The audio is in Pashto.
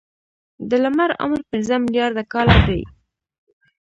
د لمر عمر پنځه ملیارده کاله دی.